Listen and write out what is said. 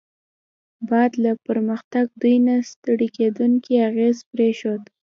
بعد له پرمختګ، دوی نه ستړي کیدونکی اغېز پرېښود.